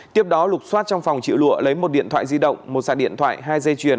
tiếp đó lục xoát trong phòng triệu lụa lấy một điện thoại di động một sạc điện thoại hai dây chuyền